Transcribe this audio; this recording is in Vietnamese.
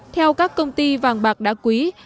theo các công ty vàng bạc đã quý